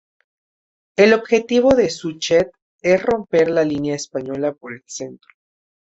El objetivo de Suchet es romper la línea española por el centro.